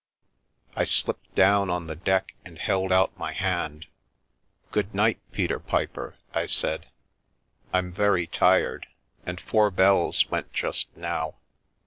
I slipped down on to the deck and held out my hand. " Good night, Peter Piper," I said. " I'm very tired, and four bells went just now.